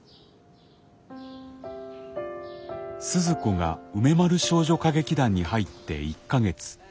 鈴子が梅丸少女歌劇団に入って１か月。